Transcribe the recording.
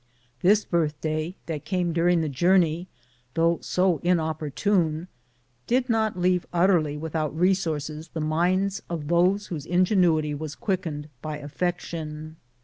This birthday that came during the journey, though so inopportune, did not leave utterly without resources the minds of those whose ingenuity was quickened by affection.